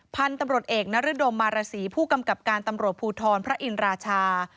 พันธุ์ตำรวจเอกนรดมมารสีผู้กำกับการตำรวจภูทรพระอินราชา